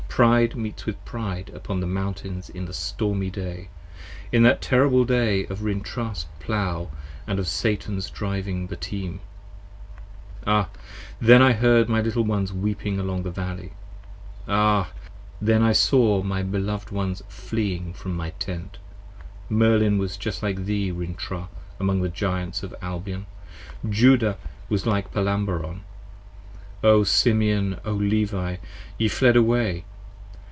Pride meets with Pride upon the Mountains in the stormy day 10 In that terrible Day of Rintrah's Plow & of Satan's driving the Team. Ah! then I heard my little ones weeping along the Valley: Ah! then I saw my beloved ones fleeing from my Tent. Merlin was like thee Rintrah among the Giants of Albion, Judah was like Palamabron: O Simeon! O Levi! ye fled away!